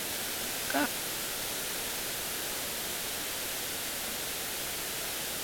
nke ọ kọwàra na ọ na-aga n'ihu